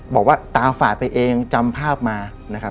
บอกว่าตาฝากไปเองจำภาพมา